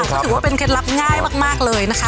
ก็ถือว่าเป็นเคล็ดลับง่ายมากเลยนะคะ